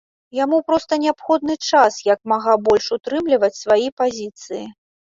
Яму проста неабходны час, як мага больш утрымліваць свае пазіцыі.